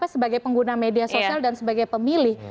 sebagai pengguna media sosial dan sebagai pemilih